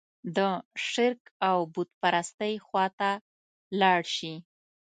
د شرک او بوت پرستۍ خوا ته لاړ شي.